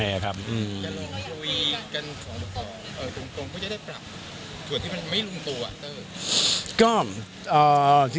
คุยกันตรงก็จะได้ปรับส่วนที่มันไม่รุมตัว